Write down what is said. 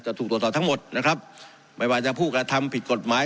ถูกตรวจสอบทั้งหมดนะครับไม่ว่าจะผู้กระทำผิดกฎหมาย